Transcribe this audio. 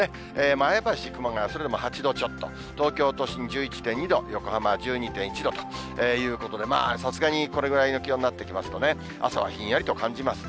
前橋、熊谷はそれでも８度ちょっと、東京都心１１．２度、横浜は１２．１度ということで、まあさすがにこれくらいの気温になってきますとね、朝はひんやりと感じます。